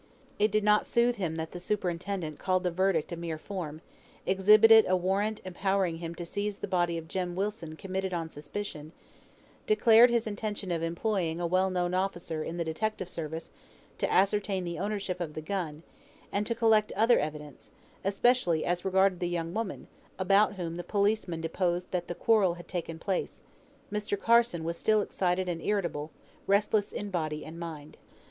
It did not soothe him that the superintendent called the verdict a mere form, exhibited a warrant empowering him to seize the body of Jem Wilson, committed on suspicion, declared his intention of employing a well known officer in the Detective Service to ascertain the ownership of the gun, and to collect other evidence, especially as regarded the young woman, about whom the policeman deposed that the quarrel had taken place: Mr. Carson was still excited and irritable; restless in body and mind.